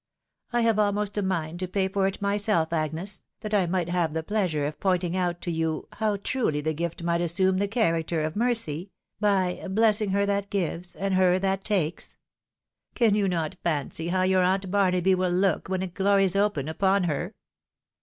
I have almost a mind to pay for it myself, Agnes, tliat I might have the pleasure of pointing out to you how truly the gift might assume the character of ■ Mercy, by ' blessing her that gives, and her that takes.' Can you not fancy how your aunt Barnaby wiU look when its glories open upon her